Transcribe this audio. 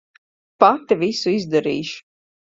Pati visu izdarīšu.